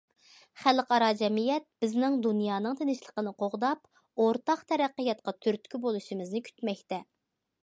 خەلقئارا جەمئىيەت بىزنىڭ دۇنيانىڭ تىنچلىقىنى قوغداپ، ئورتاق تەرەققىياتقا تۈرتكە بولۇشىمىزنى كۈتمەكتە.